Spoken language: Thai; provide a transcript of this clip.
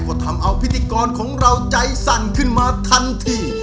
ก็ทำเอาพิธีกรของเราใจสั่นขึ้นมาทันที